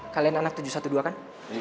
kalian anak tujuh satu dua kan